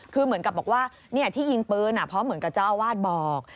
คือเหมือนกับบอกว่าที่ยิงปืนเพราะเหมือนกับเจ้าอาวาสบอก